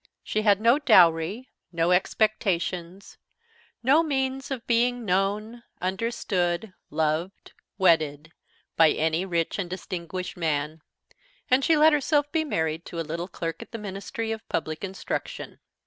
She had no dowry, no expectations, no means of being known, understood, loved, wedded, by any rich and distinguished man; and she let herself be married to a little clerk at the Ministry of Public Instruction.